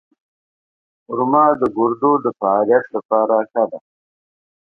خرما د ګردو د فعالیت لپاره ښه ده.